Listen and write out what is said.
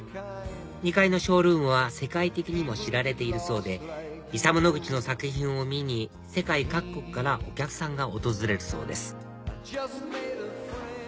２階のショールームは世界的にも知られているそうでイサム・ノグチの作品を見に世界各国からお客さんが訪れるそうです